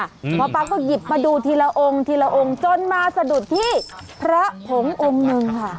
หมอปลาก็หยิบมาดูทีละองค์ทีละองค์จนมาสะดุดที่พระผงองค์หนึ่งค่ะ